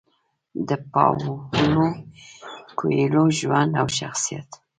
د پاولو کویلیو ژوند او شخصیت: